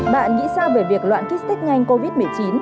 bạn nghĩ sao về việc loạn kích thích nhanh covid một mươi chín